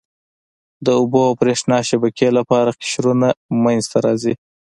د اوبو او بریښنا شبکې لپاره قشرونه منځته راځي.